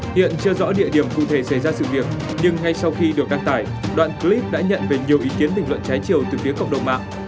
hiện chưa rõ địa điểm cụ thể xảy ra sự việc nhưng ngay sau khi được đăng tải đoạn clip đã nhận về nhiều ý kiến bình luận trái chiều từ phía cộng đồng mạng